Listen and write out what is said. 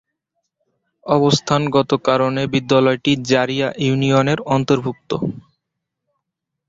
অবস্থানগত কারণে বিদ্যালয়টি জারিয়া ইউনিয়নের অন্তর্ভুক্ত।